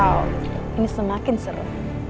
wow ini semakin seru